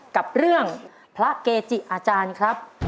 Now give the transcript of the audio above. กับเรื่องพระเกจิอาจารย์ครับ